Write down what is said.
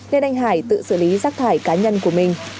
nên anh hải tự xử lý rác thải cá nhân của mình